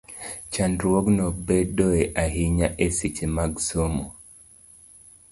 Chandruogno bedoe ahinya e seche mag somo,